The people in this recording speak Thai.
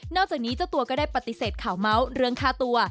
จากนี้เจ้าตัวก็ได้ปฏิเสธข่าวเมาส์เรื่องฆ่าตัว